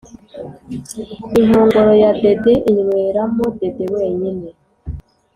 Inkongoro yadede inywera mo dede wenyine.